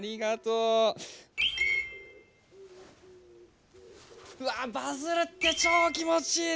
うわバズるって超気持ちいい！